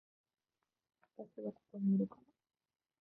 私はここにいるから